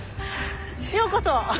ようこそ。